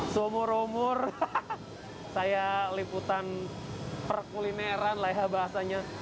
seumur umur saya liputan perkulineran leha bahasanya